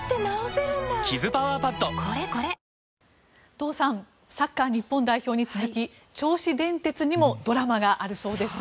堂さんサッカー日本代表に続き銚子電鉄にもドラマがあるそうですね。